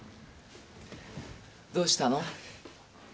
どうしたの？